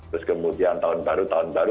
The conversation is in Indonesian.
terus kemudian tahun baru tahun baru